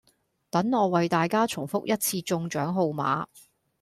等我為大家重覆一次中獎號碼